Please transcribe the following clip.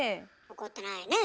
怒ってないねぇ。